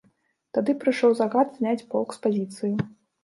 Тады прыйшоў загад зняць полк з пазіцыі.